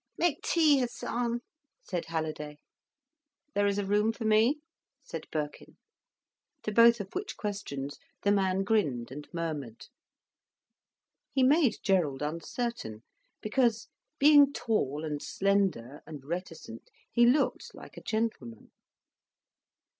"Make tea, Hasan," said Halliday. "There is a room for me?" said Birkin. To both of which questions the man grinned, and murmured. He made Gerald uncertain, because, being tall and slender and reticent, he looked like a gentleman.